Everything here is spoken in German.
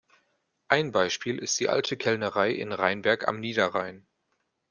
Ein Beispiel ist die Alte Kellnerei in Rheinberg am Niederrhein.